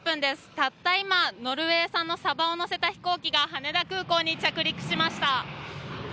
たった今、ノルウェー産のサバを載せた飛行機が羽田空港に着陸しました。